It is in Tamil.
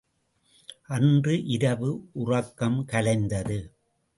அன்று இரவு உறக்கம் கலைந்தது.